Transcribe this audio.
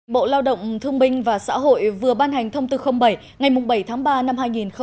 bộ lao động thương binh và xã hội vừa ban hành thông tư bảy ngày bảy tháng ba năm hai nghìn một mươi chín